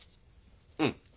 うん。